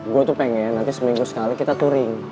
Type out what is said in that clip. gue tuh pengen nanti seminggu sekali kita touring